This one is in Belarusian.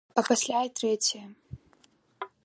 А пасля і трэцяе.